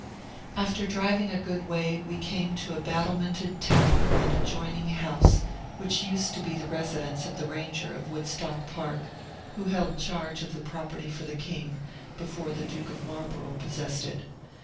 After driving a good way, we came to a battlemented tower and adjoining house, which used to be the residence of the Ranger of Woodstock Park, who held charge of the property for the King before the Duke of Marlborough possessed it.